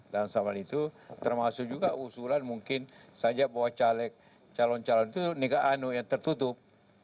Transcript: dan sama itu termasuk juga usulan mungkin saja bawa calon calon itu nega anu yang tertutup